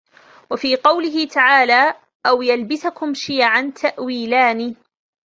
وَفِي قَوْله تَعَالَى أَوْ يَلْبِسَكُمْ شِيَعًا تَأْوِيلَانِ